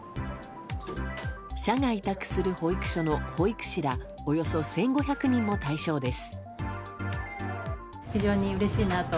社が委託する保育所の保育士らおよそ１５００人も対象です。